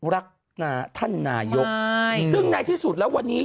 รักท่านนายกซึ่งในที่สุดแล้ววันนี้